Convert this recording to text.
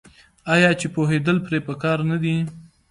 آیا چې پوهیدل پرې پکار نه دي؟